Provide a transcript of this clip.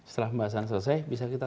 setelah pembahasan selesai bisa kita